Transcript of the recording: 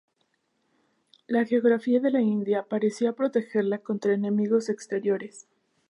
La geografía de la India parecía protegerla contra enemigos exteriores.